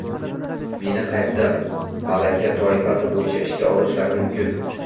meni qaysi malaka toifasi bo‘yicha ishga olishlari mumkin?